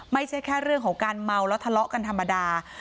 ไม่ใช่แค่เรื่องของการเมาแล้วทะเลาะกันธรรมดา